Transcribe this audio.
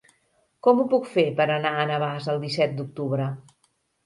Com ho puc fer per anar a Navàs el disset d'octubre?